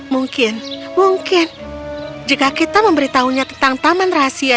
mungkin mungkin jika kita memberitahunya tentang taman rahasia